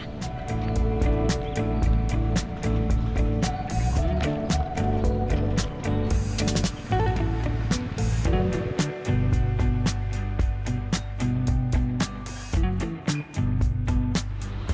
ketika di rumah